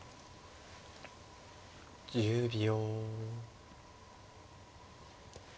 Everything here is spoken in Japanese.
１０秒。